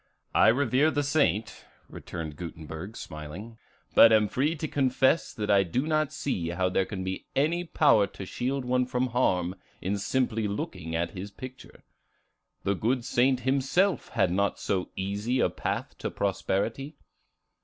"I revere the saint," returned Gutenberg, smiling, "but am free to confess that I do not see how there can be any power to shield one from harm in simply looking at his picture. The good saint himself had not so easy a path to prosperity."